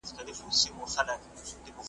چي طلاوي نه وې درې واړه یاران ول ,